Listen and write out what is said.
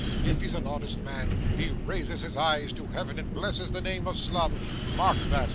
If he's an honest man, he raises his eyes to heaven, and blesses the name of Slum mark that!